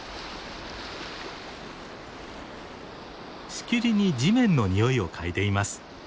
しきりに地面のにおいを嗅いでいます。